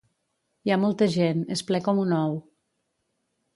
Hi ha molta gent, és ple com un ou